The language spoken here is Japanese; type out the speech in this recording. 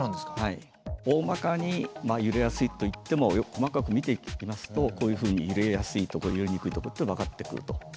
おおまかにまあ揺れやすいといっても細かく見ていきますとこういうふうに揺れやすいとこ揺れにくいとこって分かってくると。